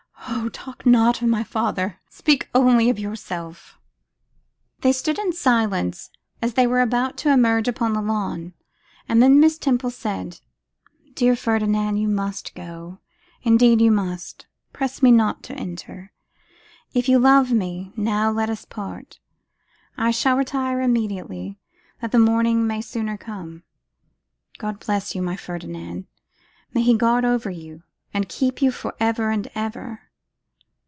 Oh! talk not of my father, speak only of yourself.' They stood in silence as they were about to emerge upon the lawn, and then Miss Temple said, 'Dear Ferdinand, you must go; indeed you must. Press me not to enter. If you love me, now let us part. I shall retire immediately, that the morning may sooner come. God bless you, my Ferdinand. May He guard over you, and keep you for ever and ever.